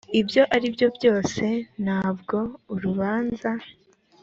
ibyo ari byo byose ntabwo urubanza